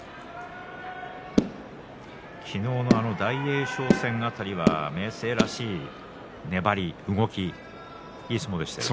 昨日の大栄翔戦辺りは明生らしい粘り、動きいい相撲でしたね。